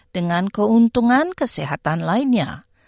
dengan keuntungan kesehatan lainnya